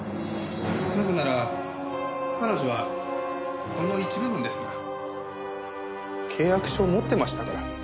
なぜなら彼女はほんの一部分ですが契約書持ってましたから。